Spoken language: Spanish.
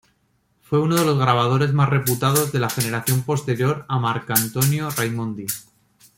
Fue uno de los grabadores más reputados de la generación posterior a Marcantonio Raimondi.